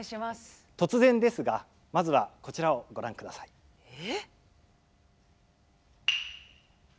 突然ですがまずはこちらをご覧ください。え！